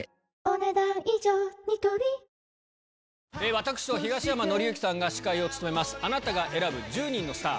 私と東山紀之さんが司会を務める『あなたが選ぶ１０人のスター』。